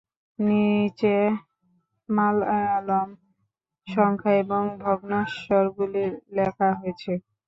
নিচে মালয়ালম সংখ্যা ও ভগ্নম্বরশগুলি লেখা হয়েছে।